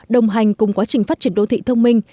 đồng hành cùng quá trình phát triển đô thị thông minh